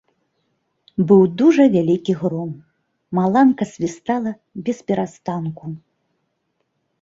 Быў дужа вялікі гром, маланка свістала бесперастанку.